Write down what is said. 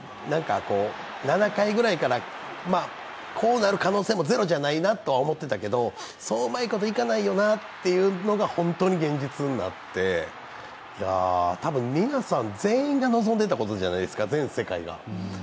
７回ぐらいからこうなる可能性もゼロじゃないなとは思ってたけどそううまいこといかないよなというのが本当に現実になって多分、皆さん全員が望んでいたことじゃないですか、全世界が。